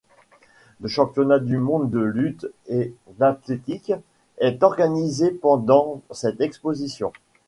Le championnat du monde de lutte et d'athlétique est organisé pendant cette exposition.